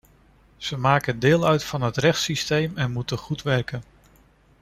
Ze maken deel uit van het rechtssysteem en ze moeten goed werken.